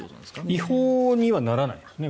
違法にはならないですね。